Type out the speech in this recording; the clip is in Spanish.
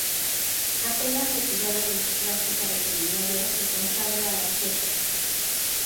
Apenas retirado de su práctica veterinaria, se consagra a las setas.